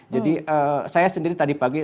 jadi saya sendiri tadi pagi